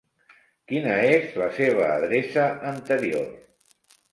Quina és la seva adreça anterior?